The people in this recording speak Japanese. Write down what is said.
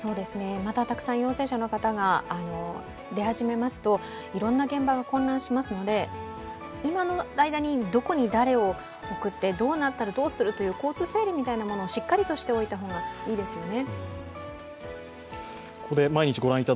またたくさん陽性者の方が出始めますといろんな現場が混乱しますので、今の間にどこに誰を送って、どうなったらどうするという交通整理みたいなものをしっかりとしておいた方がいいですよね。